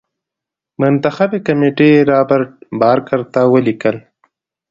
منتخبي کمېټې رابرټ بارکر ته ولیکل.